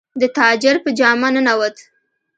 د تاجر په جامه ننووت.